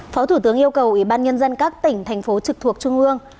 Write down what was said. phó thủ tướng yêu cầu ủy ban nhân dân các tỉnh thành phố trực thuộc trung ương